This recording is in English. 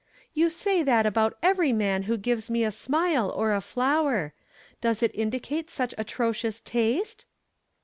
"You say that about every man who gives me a smile or a flower. Does it indicate such atrocious taste?"